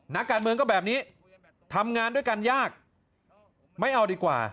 นักการเมืองก็แบบนี้ทำงานด้วยกันยากไม่เอาดีกว่า